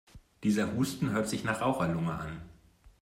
Dieser Husten hört sich nach Raucherlunge an.